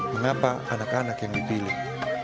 mengapa anak anak yang dipilih